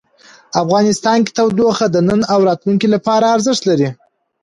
افغانستان کې تودوخه د نن او راتلونکي لپاره ارزښت لري.